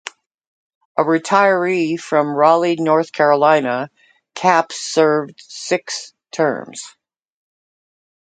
A retiree from Raleigh, North Carolina, Capps served six terms.